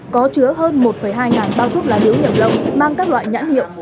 có chứa hơn một hai ngàn bao thuốc lá điếu nhập lộ mang các loại nhãn hiệu